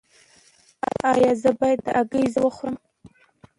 ایا زه باید د هګۍ ژیړ وخورم؟